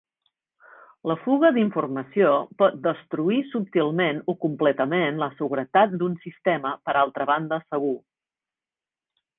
La fuga d'informació pot destruir subtilment o completament la seguretat d'un sistema per altra banda segur.